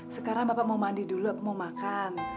sekarang bapak mau mandi dulu mau makan